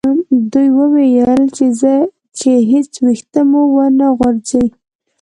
دوی وویل چې هیڅ ویښته مو و نه غورځي.